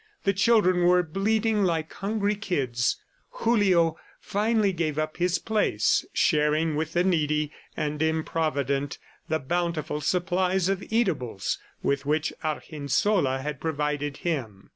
The children were bleating like hungry kids. Julio finally gave up his place, sharing with the needy and improvident the bountiful supply of eatables with which Argensola had provided him.